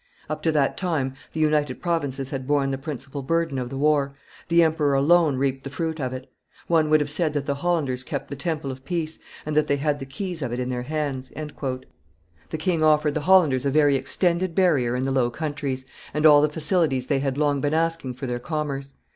Up to that time the United Provinces had borne the principal burden of the war. The emperor alone reaped the fruit of it. One would have said that the Hollanders kept the temple of peace, and that they had the keys of it in their hands." The king offered the Hollanders a very extended barrier in the Low Countries, and all the facilities they had long been asking for their commerce.